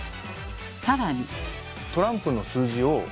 さらに。